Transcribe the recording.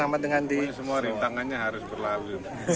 mungkin semua rintangannya harus berlalu